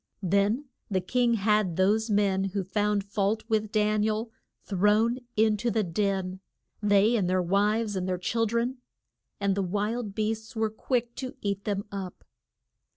Then the king had those men who found fault with Dan i el, thrown in to the den they and their wives, and their chil dren and the wild beasts were quick to eat them up.